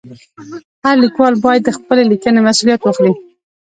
هر لیکوال باید د خپلې لیکنې مسؤلیت واخلي.